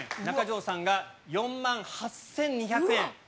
中条さんが４万８２００円。